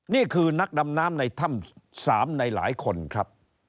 นี่คือนักดำน้ำในถ้ำ๓ในหลายคนครับ